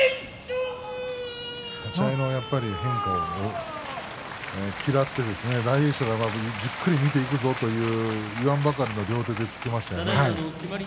立ち合いの変化を嫌って大栄翔がじっくり見ていくぞと言わんばかりの両手でしたね。